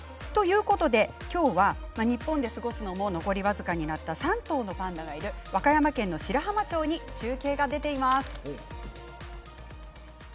今日は日本で過ごすのも残り僅かになった３頭のパンダがいる和歌山県の白浜町に中継が出ています。